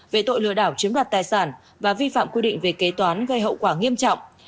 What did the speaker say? về tội lừa đảo chiếm đoạt tài sản và vi phạm quy định về kế toán gây hậu quả nghiêm trọng